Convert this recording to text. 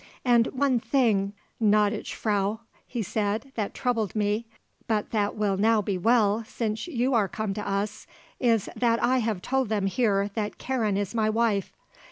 "And one thing, gnädige Frau," he said, "that troubled me, but that will now be well, since you are come to us, is that I have told them here that Karen is my wife.